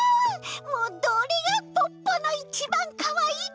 もうどれがポッポのいちばんかわいいかくどなの？